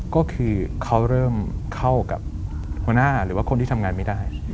ก็คือเขาเริ่มเข้ากับหัวหน้าหรือว่าคนที่ทำงานไม่ได้